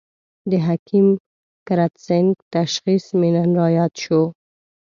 د حکیم کرت سېنګ تشخیص مې نن را ياد شو.